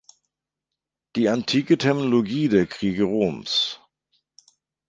Die antike Terminologie der Kriege Roms".